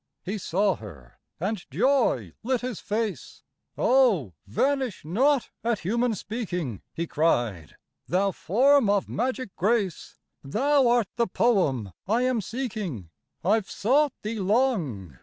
He saw her, and joy lit his face, "Oh, vanish not at human speaking," He cried, "thou form of magic grace, Thou art the poem I am seeking. "I've sought thee long!